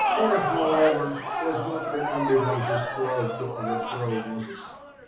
Korah, however, was not the only one who strove to overthrow Moses.